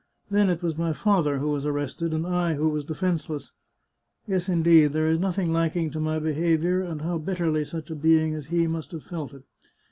Then it was my father who was arrested, and I who was defenceless. Yes, indeed, there is nothing lacking to my behaviour, and how bitterly such a being as he must have felt it